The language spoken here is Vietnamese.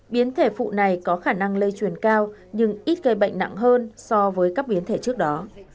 biến thể phụ này có khả năng lây truyền cao nhưng ít gây bệnh nặng hơn so với các biến thể trước đó